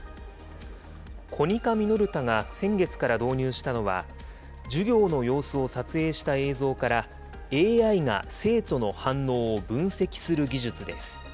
コニカミノルタが先月から導入したのは、授業の様子を撮影した映像から、ＡＩが生徒の反応を分析する技術です。